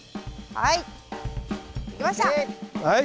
はい。